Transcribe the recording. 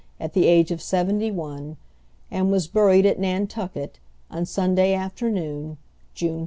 at the age of seventy one, and was buried at Nantucket on Sunday afternoon, June 30.